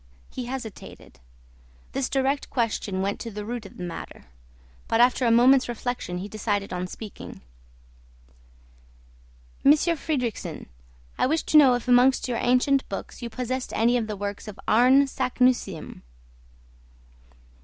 He hesitated. This direct question went to the root of the matter. But after a moment's reflection he decided on speaking. "Monsieur Fridrikssen, I wished to know if amongst your ancient books you possessed any of the works of Arne Saknussemm?"